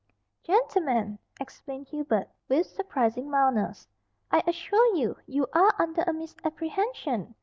"Gentlemen," explained Hubert, with surprising mildness, "I assure you you are under a misapprehension.